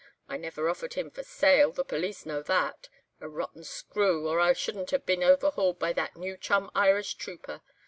I never offered him for sale, the police know that. A rotten screw, or I shouldn't have been overhauled by that new chum Irish trooper.